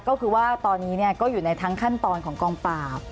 ก็คือว่าตอนนี้ก็อยู่ในทั้งขั้นตอนของกองปราบ